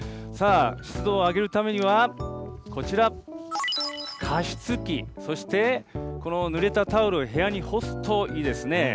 さあ、湿度を上げるためにはこちら、加湿器、そしてこのぬれたタオルを部屋に干すといいですね。